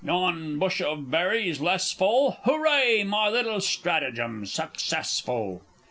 yon bush of berries less full! Hooray, my little stratagem's successful!